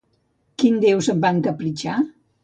Quin déu se'n va encapritxar?